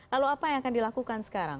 lalu apa yang akan dilakukan sekarang